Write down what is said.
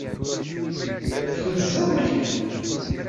Kerrzeɣ akal.